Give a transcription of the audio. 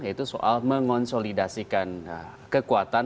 yaitu soal mengonsolidasikan kekuatan